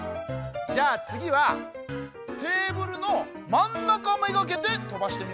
じゃあつぎはテーブルのまんなかめがけてとばしてみよっか。